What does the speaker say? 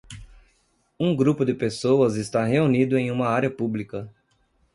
Um grupo de pessoas está reunido em uma área pública.